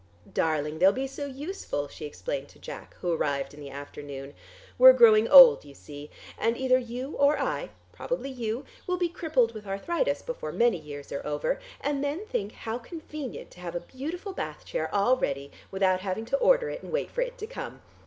"Darling, they'll be so useful," she explained to Jack, who arrived in the afternoon. "We're growing old, you see, and either you or I, probably you, will be crippled with arthritis before many years are over, and then think how convenient to have a beautiful bath chair all ready, without having to order it and wait for it to come.